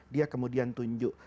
dia kemudian tunjuk